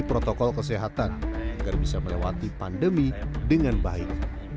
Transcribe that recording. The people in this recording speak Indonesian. protokol kesehatan agar bisa melewati pandemi dengan baik